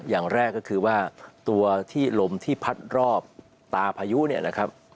อย่างแรกก็คือว่าตัวที่ลมที่พัดรอบตาพายุเนี่ยนะครับ